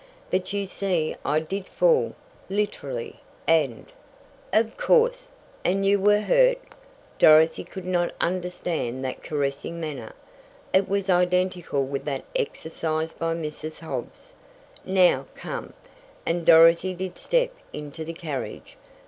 "But you see I did fall, literally, and " "Of course, and you were hurt." Dorothy could not understand that caressing manner. It was identical with that exercised by Mrs. Hobbs. "Now, come," and Dorothy did step into the carriage.